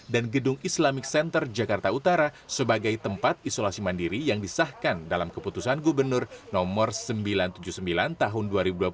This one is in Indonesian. dan gedung islamic center jakarta utara sebagai tempat isolasi mandiri yang disahkan dalam keputusan gubernur no sembilan ratus tujuh puluh sembilan tahun dua ribu dua puluh